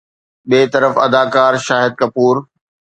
ٻئي طرف اداڪار شاهد ڪپور